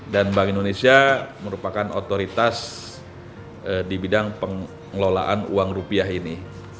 dan bank indonesia merupakan otoritas di bidang pengelolaan uang rupiah ini